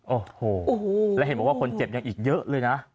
โอ้โหแล้วเห็นบอกว่าคนเจ็บยังอีกเยอะเลยนะ